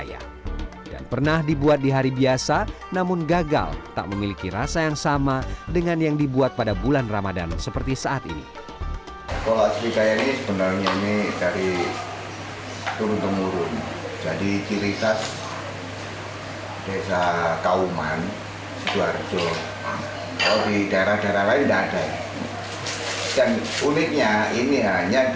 yang membedakan kolak serikaya dengan kolak yang ada di indonesia adalah menggunakan telur sebagai tambahan dalam kuahnya